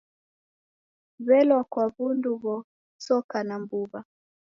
Welwa kwa wundu ghosokana mbuw'a